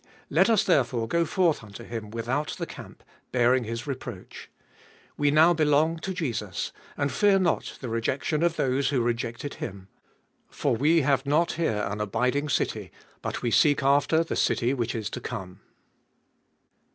Let us therefore go forth unto Him without the camp, bearing His reproach. We now belong to Jesus, and fear not the rejection of those who rejected Him. For we have not here an abiding city, but we seek after the city which is to come.